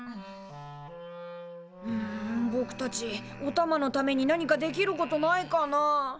んぼくたちおたまのためになにかできることないかなあ？